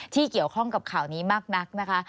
ที่เกี่ยวข้องกับข่าวนี้มากนักนะคะ